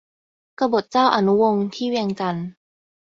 กบฏเจ้าอนุวงศ์ ที่เวียงจันทน์